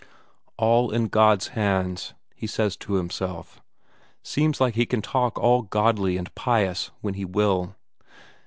"All in God's hands," he says to himself seems like he can talk all godly and pious when he will.